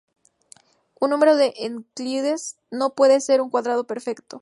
Un número de Euclides no puede ser un cuadrado perfecto.